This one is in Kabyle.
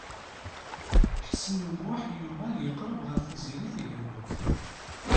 Ḥsen U Muḥ yuɣal yeqreb ɣer Tiziri Tagawawt.